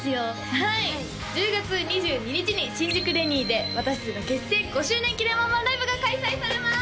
はい１０月２２日に新宿ＲｅＮＹで私達の結成５周年記念ワンマンライブが開催されます！